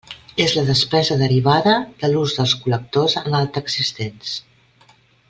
És la despesa derivada de l'ús dels col·lectors en alta existents.